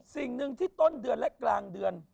สิ่งหนึ่งที่ต้นเดือนและกลางเดือน